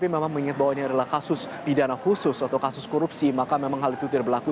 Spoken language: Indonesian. memang mengingat bahwa ini adalah kasus pidana khusus atau kasus korupsi maka memang hal itu tidak berlaku